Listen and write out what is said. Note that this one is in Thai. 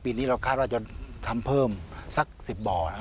ปีนี้เราคาดว่าจะทำเพิ่มสัก๑๐บ่อนะครับ